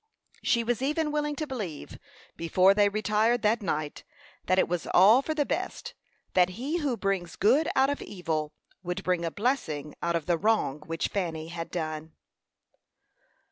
She was even willing to believe, before they retired that night, that it was all for the best; that He who brings good out of evil, would bring a blessing out of the wrong which Fanny had done.